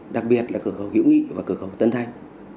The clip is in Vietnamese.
đặc biệt là cửa khẩu hữu nghị và cửa khẩu tân thanh